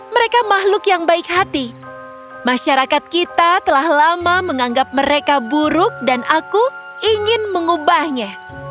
mereka makhluk yang baik hati masyarakat kita telah lama menganggap mereka buruk dan aku ingin mengubahnya